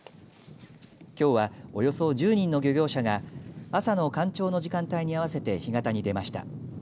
きょうはおよそ１０人の漁業者が朝の干潮の時間帯に合わせて干潟に出ました。